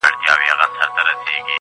ما چي توبه وکړه اوس ناځوانه راته و ویل,